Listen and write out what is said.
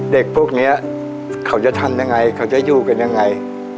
เด็กพวกนี้เขาจะทำยังไงเขาจะอยู่กันยังไง